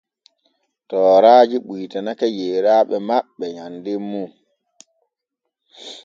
Tooraaji ɓuytanake yeeraaɓe maɓɓe nyanden mum.